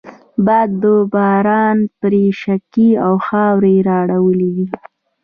باد و باران پرې شګې او خاورې اړولی دي.